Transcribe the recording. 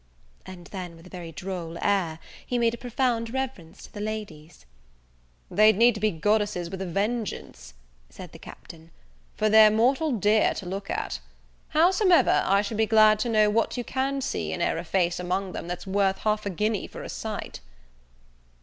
And then with a very droll air, he made a profound reverence to the ladies. "They'd need to be goddesses with a vengeance," said the Captain, "for they're mortal dear to look at. Howsomever, I should be glad to know what you can see in e'er a face among them that's worth half a guinea for a sight."